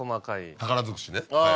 宝尽くしね。